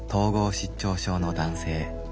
失調症の男性。